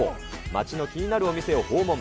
街の気になるお店を訪問。